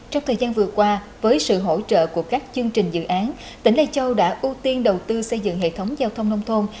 trong thời gian vừa qua với sự hỗ trợ của các chương trình dự án tỉnh lây châu đã ưu tiên đầu tư xây dựng hệ thống giao thông nông thôn